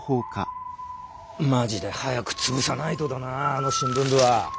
マジで早く潰さないとだなあの新聞部は。